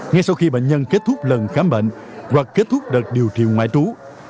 ngay sau khi bệnh nhân kết thúc lần khám bệnh hoặc kết thúc đợt điều trị ngoại trú